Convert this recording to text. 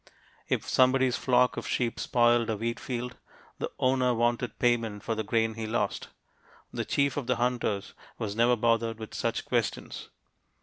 If somebody's flock of sheep spoiled a wheat field, the owner wanted payment for the grain he lost. The chief of the hunters was never bothered with such questions.